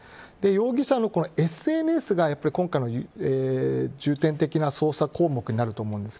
容疑者のＳＮＳが今回の重点的な捜査項目になると思います。